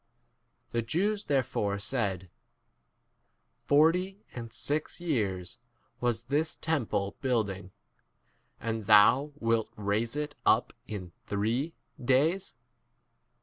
The Jews there fore said, Forty and six years was this temple k building, and thou* wilt raise it up in three days